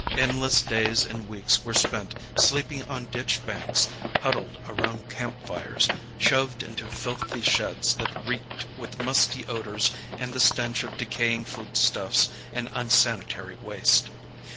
Endless days and weeks were spent, sleeping on ditch banks, hud dled around camp fires, shoved into filthy sheds that reeked with musty odors and the stench of decaying foodstufts and unsanitary waste.